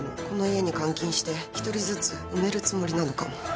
この家に監禁して１人ずつ埋めるつもりなのかも。